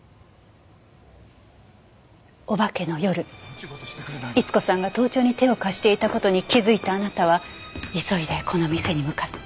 お化けの夜伊津子さんが盗聴に手を貸していた事に気づいたあなたは急いでこの店に向かった。